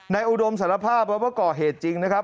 อุดมสารภาพว่าก่อเหตุจริงนะครับ